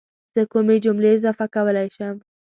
زه کومې جملې اضافه کولی شم